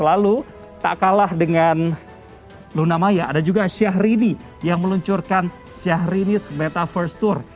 lalu tak kalah dengan lunamaya ada juga syahrini yang meluncurkan syahrinis metaverse tour